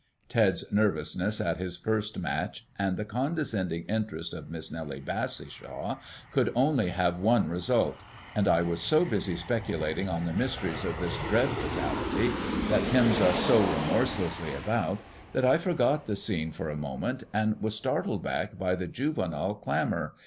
Ted's nervousness at his first match, and the condescending interest of Miss Nellie Bassishaw, could only have one result; and I was so busy speculating on the mysteries of this dread fatality that hems us so remorselessly about, that I forgot the scene for a moment, and was startled back by the juvenile clamour.